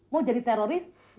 mau jadi teroris